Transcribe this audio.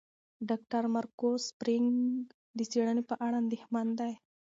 ډاکټر مارکو سپرینګ د څېړنې په اړه اندېښمن دی.